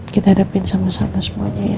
kita hadapin sama sama semuanya ya